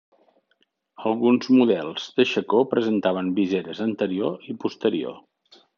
Alguns models de xacó presentaven viseres anterior i posterior.